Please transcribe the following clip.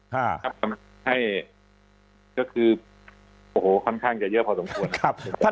ทำให้ก็คือโอ้โหค่อนข้างจะเยอะพอสมควร